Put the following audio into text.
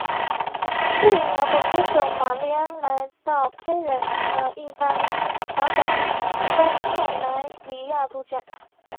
知名摇滚歌手玛莉安来到偏远的义大利小岛潘泰莱里亚度假。